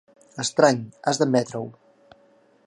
Estrany, has d'admetre-ho.